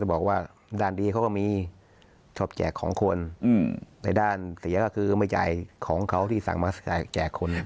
บอกว่าด้านดีเขาก็มีชอบแจกของคนในด้านเสียก็คือไม่จ่ายของเขาที่สั่งมาแจกคน